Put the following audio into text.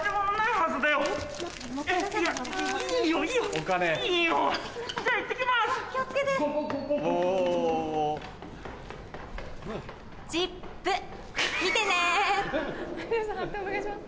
判定お願いします。